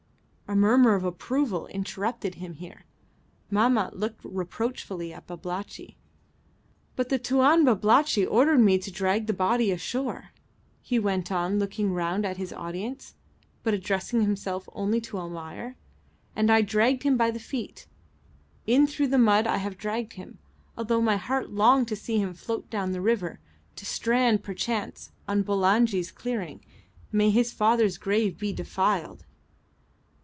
A murmur of approval interrupted him here. Mahmat looked reproachfully at Babalatchi. "But the Tuan Babalatchi ordered me to drag the body ashore" he went on looking round at his audience, but addressing himself only to Almayer "and I dragged him by the feet; in through the mud I have dragged him, although my heart longed to see him float down the river to strand perchance on Bulangi's clearing may his father's grave be defiled!"